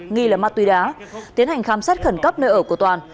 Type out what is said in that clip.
nghi là ma túy đá tiến hành khám xét khẩn cấp nơi ở của toàn